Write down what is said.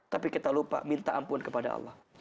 tapi kita lupa minta ampun kepada allah